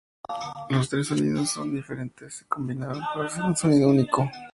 Los tres sonidos diferentes se combinaron para hacer un sonido único.